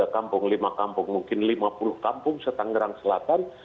dua tiga kampung lima kampung mungkin lima puluh kampung di tangerang selatan